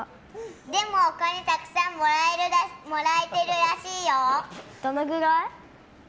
でも、お金たくさんもらえてるらしいよ。。